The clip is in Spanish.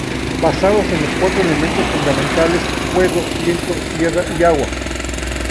Basados en los cuatro elementos fundamentales fuego, viento, tierra, y agua.